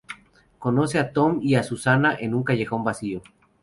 Conoce a Tom y a Susan en un callejón vacío.